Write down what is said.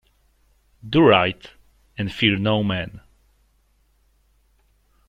Do right and fear no man.